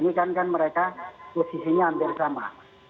jadi kandikan mereka posisinya hampir sama